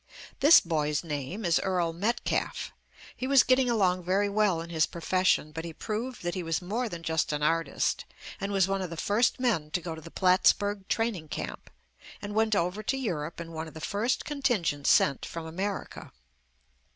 This boy's name is Earl Metcalf. He was getting along very well in his profession, but he proved that he was more than just an artist, and was one of the first men to go to the Plattsburg training camp, and went over to Europe in one of the first contingents sent from America.